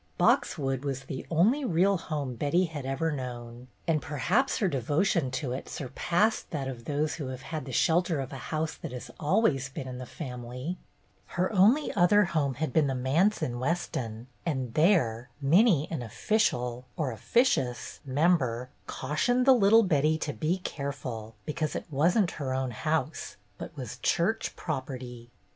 "Boxwood" was the only real home Betty had ever known, and perhaps her devotion to MISS SNELL 191 it surpassed that of those who have had the shelter of a house that has "always been in the family/' Her only other home had been the manse in Weston, and there many an official — or officious — member cautioned the little Betty to "be careful, because it wasn't her own house, but was church property."